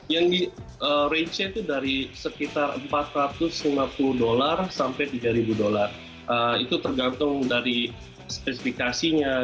yang di range nya itu dari sekitar empat ratus lima puluh dolar sampai tiga ribu dolar itu tergantung dari spesifikasinya